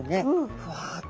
ふわっと。